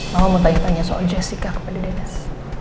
mama mau tanya tanya soal jessica kepada dendes